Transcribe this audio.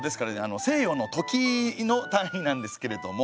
西洋の時の単位なんですけれども。